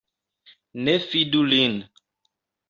Ne fidu lin.